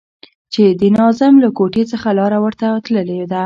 چې د ناظم له کوټې څخه لاره ورته تللې ده.